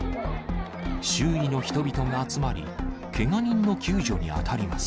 周囲の人々が集まり、けが人の救助に当たります。